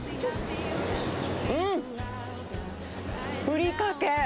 うんっふりかけ！